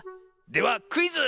ではクイズ！